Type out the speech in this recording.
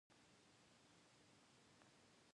Royal Leopards won on away goals.